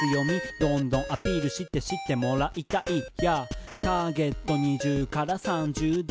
「どんどんアピールして知ってもらいたい」「ターゲット２０３０代」